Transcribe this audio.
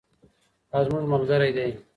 او زموږ ملګری دی.